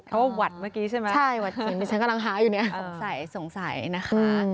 เขาว่าหวัดเมื่อกี้ใช่ไหมสงสัยสงสัยนะคะ